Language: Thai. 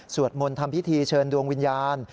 สวดมลธรรมพิธีเชิญดวงวิญญาณ